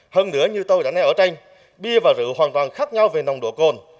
hơn nữa như tôi đã neo ở tranh bia và rượu hoàn toàn khác nhau về nồng độ cồn